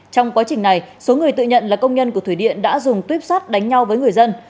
trong quá trình này số người tự nhận là công nhân của thủy điện đã dùng tuyếp sắt đánh nhau với người dân